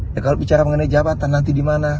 ya kalau bicara mengenai jabatan nanti dimana